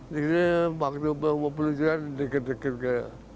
jadi waktu umur puluh juga deket deket ke